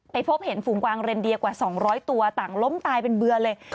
พบเห็นฝูงกวางเรนเดียกว่า๒๐๐ตัวต่างล้มตายเป็นเบื่อเลย